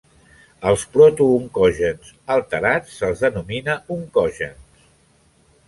Als protooncogens alterats se'ls denomina oncogens.